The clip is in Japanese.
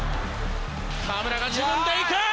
河村が自分で行く！